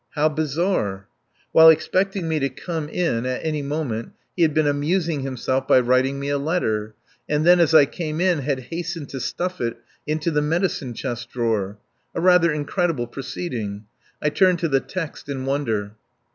How bizarre! While expecting me to come in at any moment he had been amusing himself by writing me a letter, and then as I came in had hastened to stuff it into the medicine chest drawer. A rather incredible proceeding. I turned to the text in wonder.